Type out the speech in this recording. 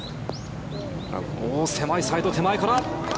狭いサイド、手前から。